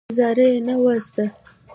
ګوزارا یې نه وه زده.